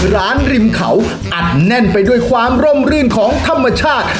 ริมเขาอัดแน่นไปด้วยความร่มรื่นของธรรมชาติ